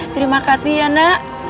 terima kasih ya nak